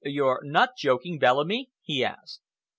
"You're not joking, Bellamy?" he asked.